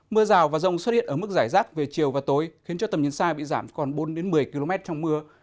mưa rào và rông xuất hiện ở mức giải rác về chiều và tối khiến cho tầm nhìn xa bị giảm còn bốn một mươi km trong mưa